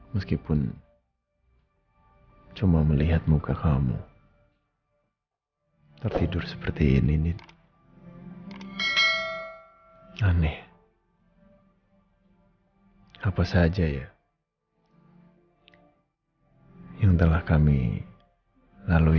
meskipun cuma melihat muka kamu tertidur seperti ini aneh apa saja ya yang telah kami lalui